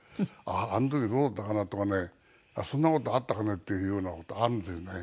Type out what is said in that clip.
あの時どうだったかな？とかねそんな事あったかな？っていうような事あるんですよね。